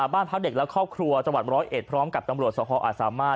บ้านพักเด็กและครอบครัวจังหวัด๑๐๑พร้อมกับตำรวจสภอาจสามารถ